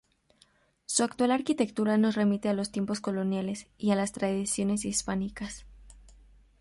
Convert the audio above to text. Su actual arquitectura nos remite a los tiempos coloniales y a las tradiciones hispánicas.